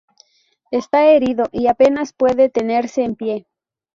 Está herido y apenas puede tenerse en pie.